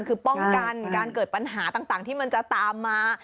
คือป้องกันการเกิดปัญหาต่างที่มันจะตามมา